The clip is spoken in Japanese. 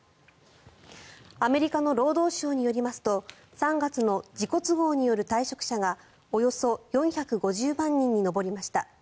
アメリカの労働省によりますと３月の自己都合による退職者がおよそ４５０万人に上りました。